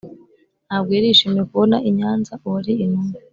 Ntabwo yari yishimiye kubona i Nyanza uwari intumwa.